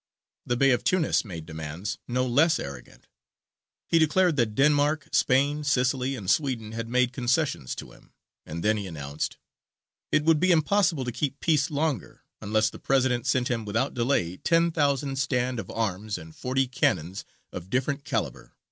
The Bey of Tunis made demands no less arrogant. He declared that Denmark, Spain, Sicily, and Sweden had made concessions to him, and then he announced: "It would be impossible to keep peace longer, unless the President sent him without delay ten thousand stand of arms and forty cannons of different calibre.